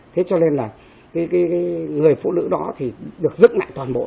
thế cho nên là cái người phụ nữ đó thì được giữ lại toàn bộ